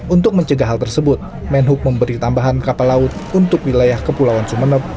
untuk mencegah hal tersebut menhub memberi tambahan kapal laut untuk wilayah kepulauan sumeneb